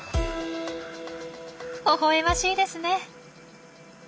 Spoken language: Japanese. ほほえましいですね。